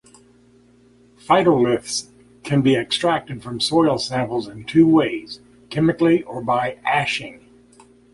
Phytoliths can be extracted from soil samples in two ways: chemically or by ashing.